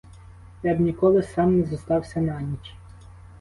Я б ніколи сам не зостався на ніч.